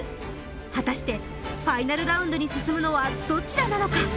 果たしてファイナルラウンドに進むのはどちらなのか？